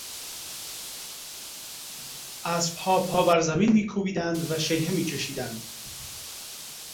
اسبها پا بر زمین میکوبیدند و شیهه میکشیدند.